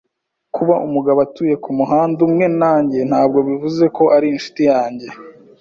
Kuba umugabo atuye kumuhanda umwe nanjye ntabwo bivuze ko ari inshuti yanjye.